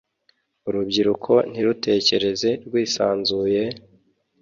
urubyiruko ntirutekereze rwisanzuye,